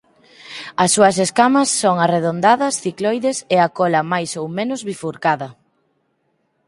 As súas escamas son arredondadas cicloides e a cola máis ou menos bifurcada.